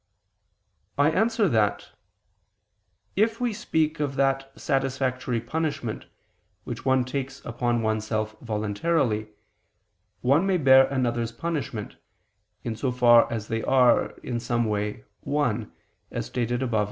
I answer that, If we speak of that satisfactory punishment, which one takes upon oneself voluntarily, one may bear another's punishment, in so far as they are, in some way, one, as stated above (A.